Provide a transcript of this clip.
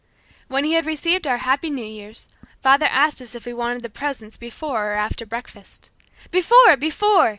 When he had received our "Happy New Years" father asked us if we wanted the presents before or after breakfast. "Before! Before!"